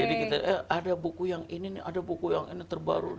kita ada buku yang ini nih ada buku yang ini terbaru